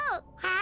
は？